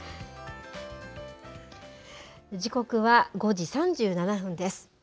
時刻は５時３７分です。